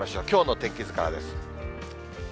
きょうの天気図からです。